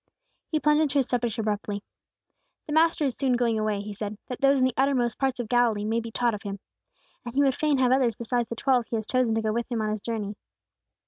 He plunged into his subject abruptly. "The Master is soon going away," he said, "that those in the uttermost parts of Galilee may be taught of Him. And He would fain have others beside the twelve He has chosen to go with Him on His journey."